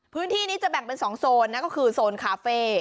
พื้นที่นี้จะแบ่งเป็น๒โซนนั่นก็คือโซนคาเฟ่